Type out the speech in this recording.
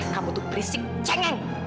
kamu tuh berisik cengeng